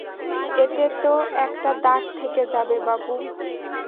এতে তো একটা দাগ থেকে যাবে, বাবু।